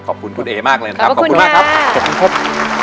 ขอบคุณคุณเอมากเลยนะครับขอบคุณมากครับขอบคุณครับ